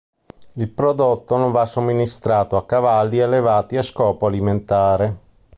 Il prodotto non va somministrato a cavalli allevati a scopo alimentare.